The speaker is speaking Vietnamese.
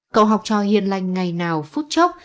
cậu học trò hiền lành ngày nào phút chốc